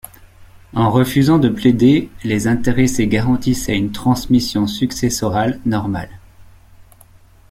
En refusant de plaider, les intéressés garantissaient une transmission successorale normale.